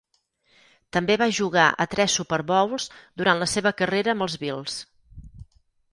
També va jugar a tres Super Bowls durant la seva carrera amb els Bills.